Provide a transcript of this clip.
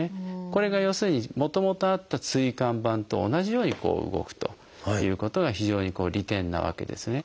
これが要するにもともとあった椎間板と同じように動くということが非常に利点なわけですね。